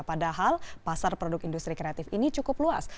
padahal pasar produk industri kreatif ini cukup luas